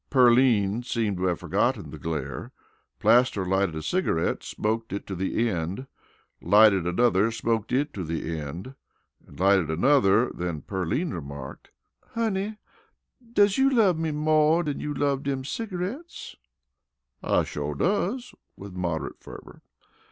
Pearline seemed to have forgotten the glare. Plaster lighted a cigarette, smoked it to the end, lighted another, smoked it to the end, and lighted another. Then Pearline remarked: "Honey, does you love me more dan you loves dem cigareets?" "I shore does" with moderate fervor.